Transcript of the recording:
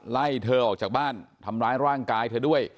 ไล่เธอออกจากบ้านทำร้ายร่างกายเธอด้วย